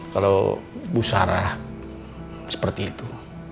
kalau bu sarah seperti itu